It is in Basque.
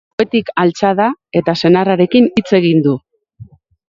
Ohetik altxa da, eta senarrarekin hitz egin du.